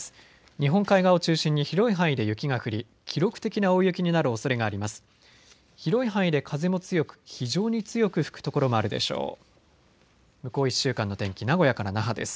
日本海側を中心に広い範囲で雪が降り記録的な大雪になるおそれがあります。